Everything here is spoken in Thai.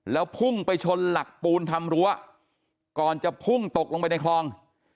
แล้วพุ่งไปชนหลักปูนทำรั้วก่อนจะพุ่งตกลงไปในคลอง